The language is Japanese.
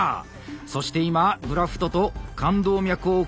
そして今グラフトと冠動脈をくっつけました。